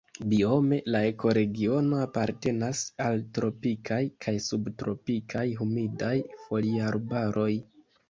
Biome la ekoregiono apartenas al tropikaj kaj subtropikaj humidaj foliarbaroj.